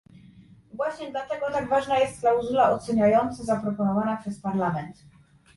Właśnie dlatego tak ważna jest klauzula oceniająca zaproponowana przez Parlament